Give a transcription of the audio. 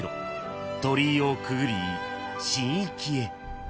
［鳥居をくぐり神域へ］